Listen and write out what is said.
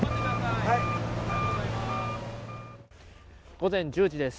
午前１０時です。